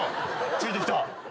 ついてきた。